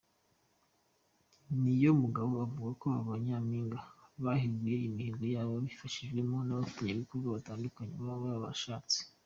Niyomugaba avuga ko ba Nyampinga bahigura imihigo yabo babifashijwemo n’abafatanyabikorwa batandukanye baba barashatse.